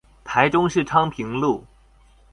台中市昌平路